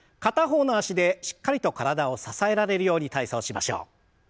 片方の脚でしっかりと体を支えられるように体操しましょう。